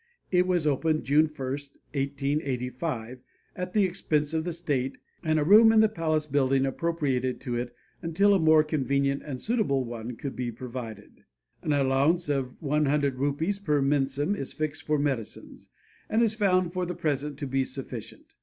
It was opened June 1, 1885, at the expense of the state, and a room in the palace building appropriated to it until a more convenient and suitable one could be provided. An allowance of Rs. 100 per mensem is fixed for medicines, and is found for the present to be sufficient.